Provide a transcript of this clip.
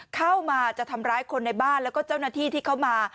เข้ามาจะทำร้ายคนในบ้านแล้วก็เจ้าหน้าที่ที่เข้ามา